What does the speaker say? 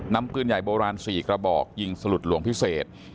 นำปืนใหญ่โบราณ๔กระบอกยิงสลุดหลวงพิเศษ